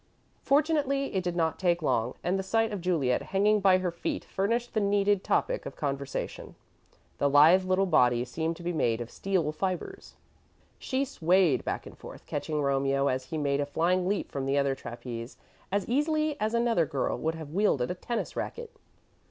Fortunately, it did not take long and the sight of Juliet hanging by her feet furnished the needed topic of conversation. The lithe little body seemed to be made of steel fibres. She swayed back and forth, catching Romeo as he made a flying leap from the other trapeze, as easily as another girl would have wielded a tennis racquet.